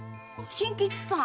新吉さん？